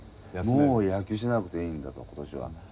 もう野球しなくていいんだと今年は。